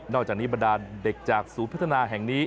จากนี้บรรดาเด็กจากศูนย์พัฒนาแห่งนี้